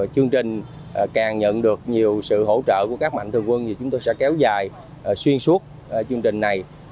chương trình càng nhận được nhiều sự hỗ trợ của các mạnh thường quân thì chúng tôi sẽ kéo dài xuyên suốt chương trình này